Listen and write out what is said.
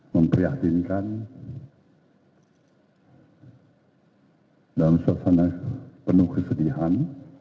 memprihatinkan dalam suasana penuh kesedihan